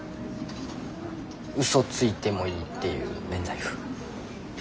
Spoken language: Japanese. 嘘ついてもいいっていう免罪符？